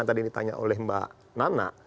yang tadi ditanya oleh mbak nana